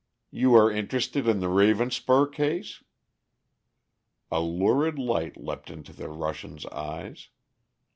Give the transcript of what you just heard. "You are interested in the Ravenspur case?" A lurid light leapt into the Russian's eyes.